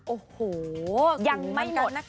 โอ้โหยังไม่หมด